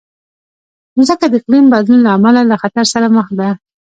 مځکه د اقلیم بدلون له امله له خطر سره مخ ده.